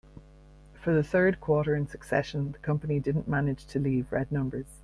For the third quarter in succession, the company didn't manage to leave red numbers.